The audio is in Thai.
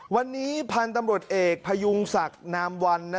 วันนี้พันธุ์ตำรวจเอกพยุงศักดิ์นามวัน